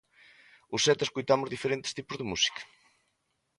Os sete escoitamos diferentes tipos de música.